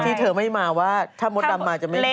ที่เธอไม่มาว่าถ้ามดดำมาจะไม่รู้